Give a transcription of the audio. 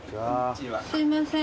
すいません。